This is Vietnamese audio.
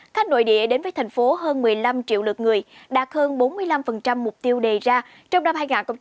khách nội địa đến với thành phố hơn một mươi năm triệu lượt người đạt hơn bốn mươi năm mục tiêu đề ra trong năm hai nghìn hai mươi